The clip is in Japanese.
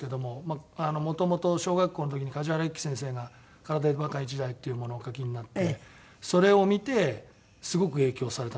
もともと小学校の時に梶原一騎先生が『空手バカ一代』っていうものをお描きになってそれを見てすごく影響されたんです。